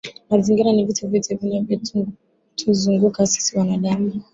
Mazingira ni vitu vyote vinavyotuzunguka sisi wanadamu